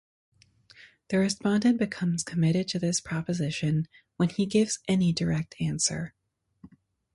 The respondent becomes committed to this proposition when he gives any direct answer.